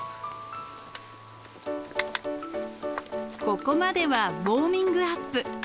ここまではウォーミングアップ。